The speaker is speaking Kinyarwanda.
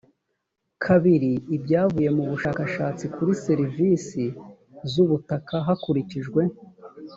kabiri ibyavuye mu bushakashatsi kuri serivisi z ubutaka hakurikijwe